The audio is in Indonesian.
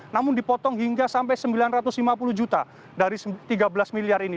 namun dipotong hingga sampai sembilan ratus lima puluh juta dari tiga belas miliar ini